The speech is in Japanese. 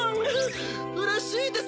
うれしいです。